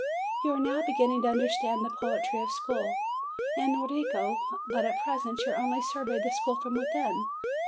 You are now beginning to understand the poetry of school, Enrico ; but at present you only survey the school from within.